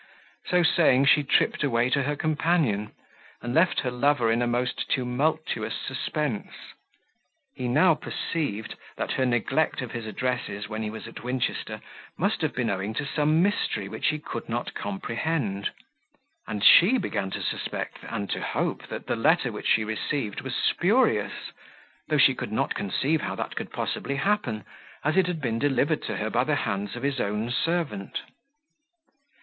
So saying, she tripped away to her companion, and left her lover in a most tumultuous suspense. He now perceived that her neglect of his addresses when he was at Winchester, must have been owing to some mystery which he could not comprehend; and she began to suspect and to hope that the letter which she received was spurious, though she could not conceive how that could possibly happen, as it had been delivered to her by the hands of his own servant.